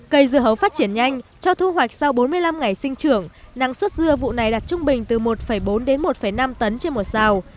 cây dưa hấu phát triển nhanh cho thu hoạch sau bốn mươi năm ngày sinh trưởng năng suất dưa vụ này đạt trung bình từ một bốn đến một năm tấn trên một xào